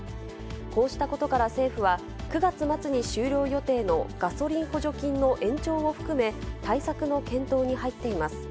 こうしたことから政府は、９月末に終了予定のガソリン補助金の延長を含め、対策の検討に入っています。